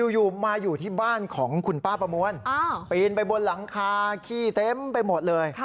อยู่มาอยู่ที่บ้านของคุณป้าประมวลปีนไปบนหลังคาขี้เต็มไปหมดเลย